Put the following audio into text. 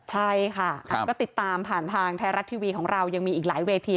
ใช่ค่ะก็ติดตามผ่านทางไทยรัฐทีวีของเรายังมีอีกหลายเวที